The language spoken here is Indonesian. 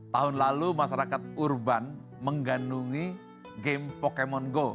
tahun lalu masyarakat urban menggandungi game pokemon go